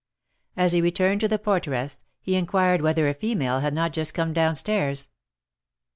As he returned to the porteress, he inquired whether a female had not just come down stairs.